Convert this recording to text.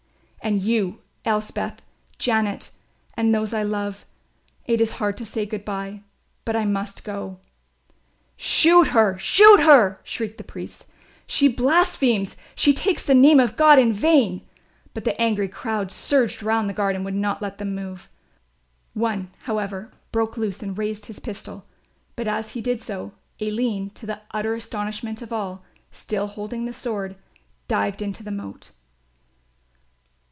"And you, Elspeth, Janet and those I love; it is hard to say good bye, but I must go." "Shoot her, shoot her!" shrieked the priests, "she blasphemes, she takes the name of God in vain." But the angry crowd surged round the guard and would not let them move. One, however, broke loose and raised his pistol; but as he did so, Aline, to the utter astonishment of all, still holding the sword, dived into the moat.